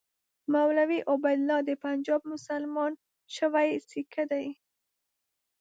مولوي عبیدالله د پنجاب مسلمان شوی سیکه دی.